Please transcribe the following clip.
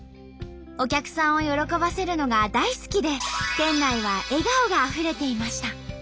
お客さんを喜ばせるのが大好きで店内は笑顔があふれていました。